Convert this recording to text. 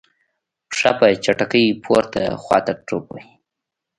پښه په چټکۍ پورته خواته ټوپ وهي.